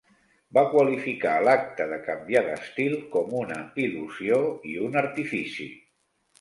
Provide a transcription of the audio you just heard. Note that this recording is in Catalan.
Va qualificar l'acte de canviar d'estil com una "il·lusió" i un "artifici".